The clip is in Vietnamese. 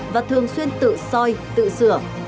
và thường xuyên tự soi tự sửa